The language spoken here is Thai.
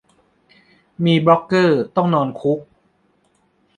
มีบล็อกเกอร์ต้องนอนคุก